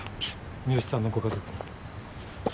三好さんのご家族に。